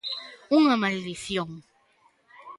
Unha maldición.